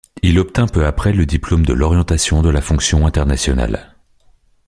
Il obtint peu après le diplôme de l’Orientation de la Fonction internationale.